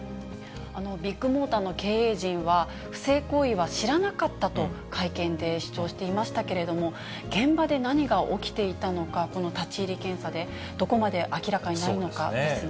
ビッグモーターの経営陣は、不正行為は知らなかったと会見で主張していましたけれども、現場で何が起きていたのか、この立ち入り検査でどこまで明らかになるのかですね。